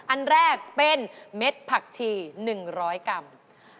อันแรกเป็นเม็ดผักชี๑๐๐กรัม